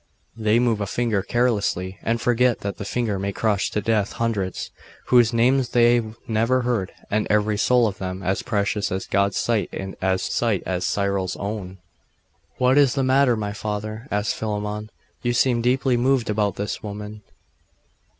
They move a finger carelessly, and forget that that finger may crush to death hundreds whose names they never heard and every soul of them as precious in God's sight as Cyril's own.' 'What is the matter, my father?' asked Philammon. 'You seem deeply moved about this woman....